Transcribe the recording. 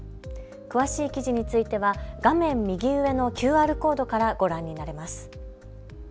詳しい記事については画面右上のＱＲコードからご覧になれます。